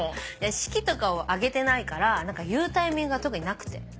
式とかを挙げてないから言うタイミングが特になくて。